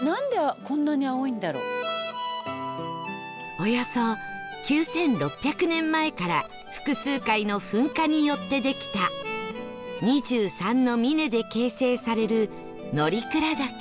およそ９６００年前から複数回の噴火によってできた２３の峰で形成される乗鞍岳